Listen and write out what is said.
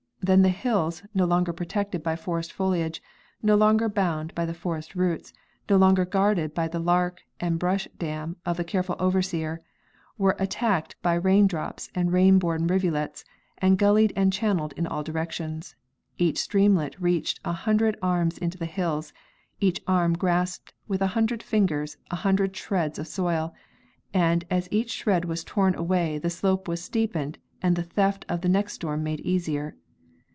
Then the hills, no longer protected by the forest foliage, no longer bound by the forest roots, no longer guarded by the bark and brush dam of the careful overseer, were attacked by raindrops and rain born rivulets and gullied and channeled in all directions; each streamlet reached a hundred arms into the hills, each arm grasped with a hundred fingers a hundred shreds of soil, and as each shred was torn away the slope was steepened and the theft of the next storm made easier.